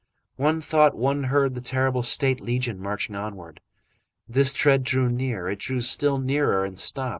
One thought one heard the terrible statue Legion marching onward. This tread drew near; it drew still nearer, and stopped.